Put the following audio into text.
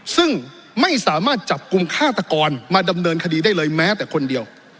ซึ่งไม่สามารถจับกลุ่มฆาตกรมาดำเนินคดีได้เลยแม้แต่คนเดียว